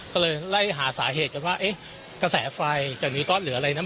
ก็เลยไล่หาสาเหตุกันว่าเอ๊ะกระแสไฟจากดิวตอสหรืออะไรนะ